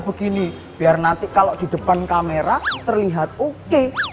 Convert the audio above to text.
begini biar nanti kalau di depan kamera terlihat oke